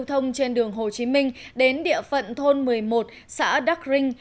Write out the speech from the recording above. thông trên đường hồ chí minh đến địa phận thôn một mươi một xã đắc rinh